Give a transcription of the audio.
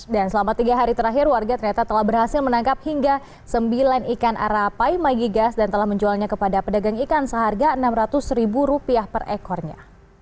dan selama tiga hari terakhir warga ternyata telah berhasil menangkap hingga sembilan ikan arapai magigas dan telah menjualnya kepada pedagang ikan seharga rp enam ratus per ekornya